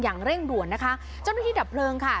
อย่างเร่งด่วนนะคะเจ้าหน้าที่ดับเพลิงค่ะ